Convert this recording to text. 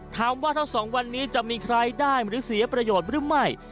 ถามว่าทั้งสองวันนี้จะมีใครได้หรือเสียประโยชน์หรือไม่